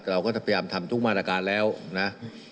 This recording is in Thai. เราก็จะพยายามทำทุกมาตรการแล้วนะ